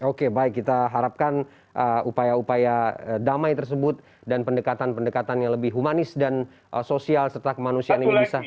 oke baik kita harapkan upaya upaya damai tersebut dan pendekatan pendekatan yang lebih humanis dan sosial serta kemanusiaan ini bisa